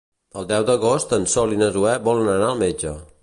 El deu d'agost en Sol i na Zoè volen anar al metge.